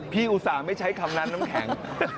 อุตส่าห์ไม่ใช้คำนั้นน้ำแข็ง